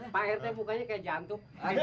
pak rt mukanya kayak jantung